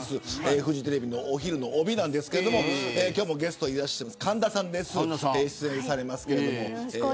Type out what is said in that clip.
フジテレビのお昼の帯なんですが今日ゲストでいらっしゃってる神田さん出演されます。